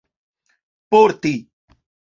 porti